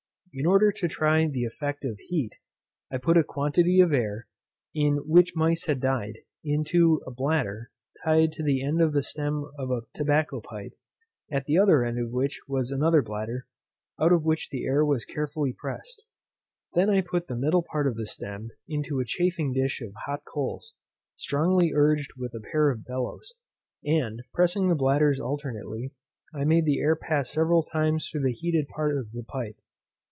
In order to try the effect of heat, I put a quantity of air, in which mice had died, into a bladder, tied to the end of the stem of a tobacco pipe, at the other end of which was another bladder, out of which the air was carefully pressed. I then put the middle part of the stem into a chafing dish of hot coals, strongly urged with a pair of bellows; and, pressing the bladders alternately, I made the air pass several times through the heated part of the pipe.